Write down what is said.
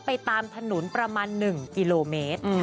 ไปตามถนนประมาณ๑กิโลเมตร